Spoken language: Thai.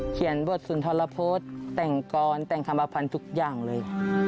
เขียนบทสุนทรพจน์แต่งกรแต่งคำว่าพันธุ์ทุกอย่างเลย